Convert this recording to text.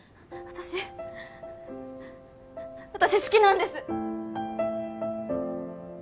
私私好きなんです